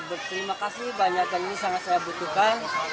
saya berterima kasih banyak yang ini sangat saya butuhkan